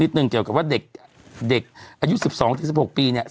นึกนึกนึกเกี่ยวกับว่าเด็กเด็กอายุสิบสองสี่สิบหกปีเนี่ย